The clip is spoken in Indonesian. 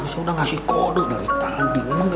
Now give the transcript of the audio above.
saya udah ngasih kode dari kambing